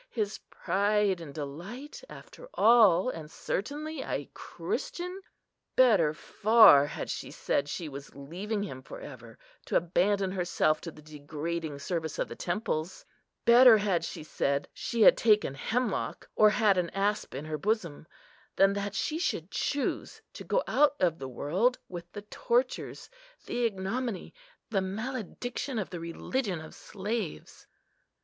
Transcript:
—his pride and delight, after all and certainly a Christian! Better far had she said she was leaving him for ever, to abandon herself to the degrading service of the temples; better had she said she had taken hemlock, or had an asp in her bosom, than that she should choose to go out of the world with the tortures, the ignominy, the malediction of the religion of slaves.